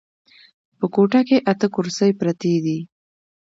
په کوټه کې اته کرسۍ پرتې دي.